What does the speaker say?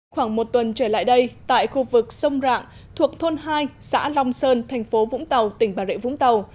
khoảng một tuần trở lại đây tại khu vực sông rạng thuộc thôn hai xã long sơn thành phố vũng tàu tỉnh bà rệ vũng tàu